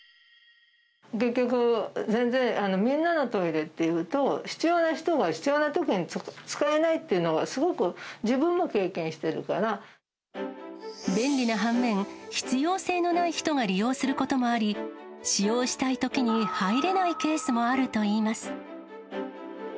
結局、全然、みんなのトイレっていうと、必要な人が必要なときに使えないっていうのが、便利な反面、必要性のない人が利用することもあり、使用したいときに入れないケースもあるといいます。